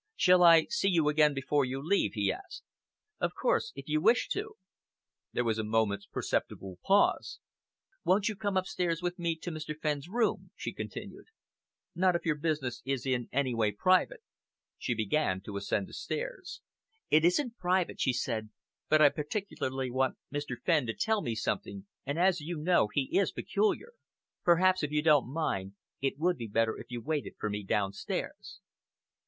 "Shall I see you again before you leave?" he asked. "Of course if you wish to." There was a moment's perceptible pause. "Won't you come upstairs with me to Mr. Fenn's room?" she continued. "Not if your business is in any way private." She began to ascend the stairs. "It isn't private," she said, "but I particularly want Mr. Fenn to tell me something, and as you know, he is peculiar. Perhaps, if you don't mind, it would be better if you waited for me downstairs."